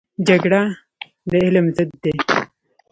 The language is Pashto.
جګړه د علم ضد دی